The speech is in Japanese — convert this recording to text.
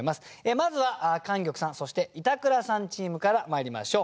まずは莟玉さんそして板倉さんチームからまいりましょう。